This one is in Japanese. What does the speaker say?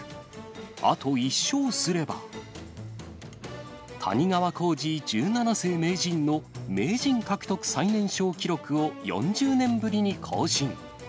あと１勝すれば、谷川浩司十七世名人の名人獲得最年少記録を４０年ぶりに更新。